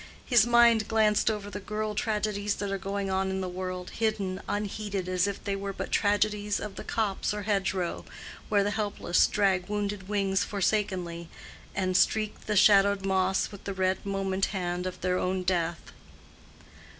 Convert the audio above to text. His mind glanced over the girl tragedies that are going on in the world, hidden, unheeded, as if they were but tragedies of the copse or hedgerow, where the helpless drag wounded wings forsakenly, and streak the shadowed moss with the red moment hand of their own death.